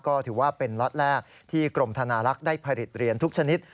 ก็ถือว่าเป็นล็อตแรกที่กรมธนารักษ์ได้ผลิตเหรียญทุกชนิด